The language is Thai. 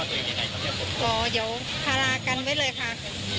อ๋อเดี๋ยวพารากันไว้เลยค่ะ